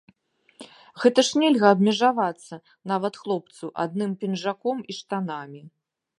Гэта ж нельга абмежавацца, нават хлопцу, адным пінжаком і штанамі.